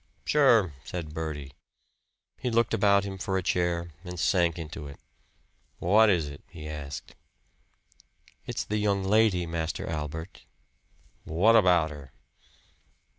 "Sure," said Bertie. He looked about him for a chair and sank into it. "What is it?" he asked. "It's the young lady, Master Albert." "What about her?"